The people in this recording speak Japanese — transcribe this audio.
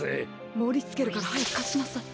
もりつけるからはやくかしなさい。